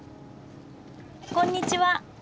こんにちは。